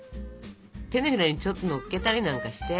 手のひらにちょっとのっけたりなんかして。